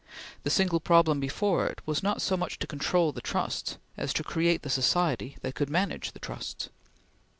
The single problem before it was not so much to control the Trusts as to create the society that could manage the Trusts.